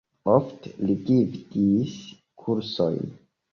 Ofte li gvidis kursojn.